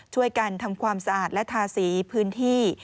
ช่วยกันทำความสะอาดและทาสีพื้นที่